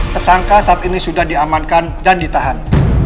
tersangka saat ini sudah diamankan dan ditahan